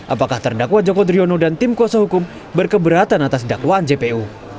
apakah terdakwa joko driono dan tim kuasa hukum berkeberatan atas dakwaan jpu